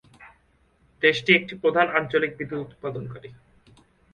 দেশটি একটি প্রধান আঞ্চলিক বিদ্যুত উৎপাদনকারী।